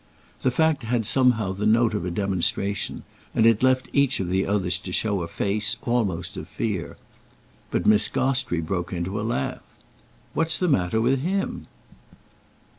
The fact had somehow the note of a demonstration, and it left each of the others to show a face almost of fear. But Miss Gostrey broke into a laugh. "What's the matter with him?"